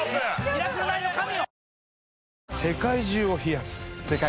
『ミラクル９』の神よ！